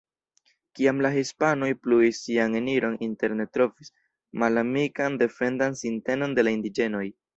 Kiam la hispanoj pluis sian eniron interne trovis malamikan defendan sintenon de la indiĝenoj.